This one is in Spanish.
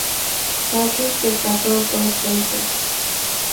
Harry se casó dos veces.